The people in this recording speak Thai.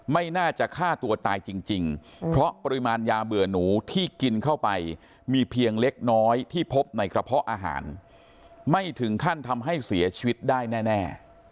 ไม่น่าจะฆ่าตัวตายจริงเพราะปริมาณยาเบื่อหนูที่กินเข้าไปมีเพียงเล็กน้อยที่พบในกระเพาะอาหารไม่ถึงขั้นทำให้เสียชีวิตได้แน่